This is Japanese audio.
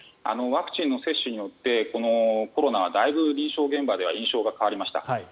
ワクチンの接種によってコロナはだいぶ臨床現場では印象が変わりました。